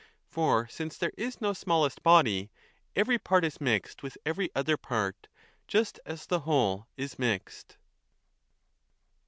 10 For since there is no smallest body, 3 every part is mixed with every other part, just as the whole is mixed.